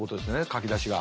書き出しが。